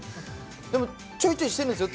でも、ちょいちょいしてるんですよ。